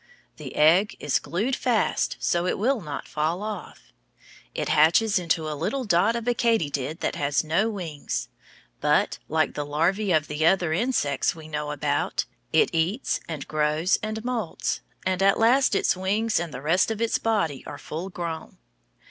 The egg is glued fast so it will not fall off. It hatches into a little dot of a katydid that has no wings, but, like the larvæ of the other insects we know about, it eats and grows and moults, and at last its wings and the rest of its body are full grown.